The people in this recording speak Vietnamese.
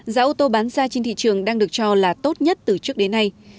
giá ô tô bán ra trên thị trường đang được cho là tốt nhất từ trước đến nay